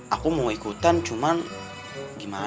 aku mau ikutan cuman gimana